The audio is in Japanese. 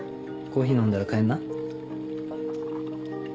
コーヒー飲んだら帰んな？